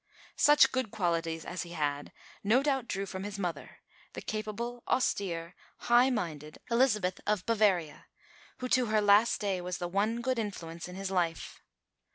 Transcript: Such good qualities as he had he no doubt drew from his mother, the capable, austere, high minded Elizabeth of Bavaria, who to her last day was the one good influence in his life.